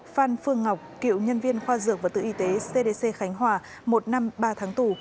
phan phương ngọc cựu nhân viên khoa dược và tự y tế cdc khánh hòa một năm ba tháng tù